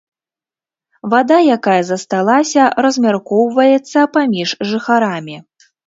Вада, якая засталася, размяркоўваецца паміж жыхарамі.